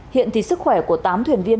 hiện thì sức khỏe của tám thuyền viên